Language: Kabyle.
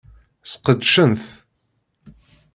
Sqedcen-t.